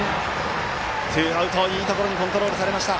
ツーアウト、いいところにコントロールされました。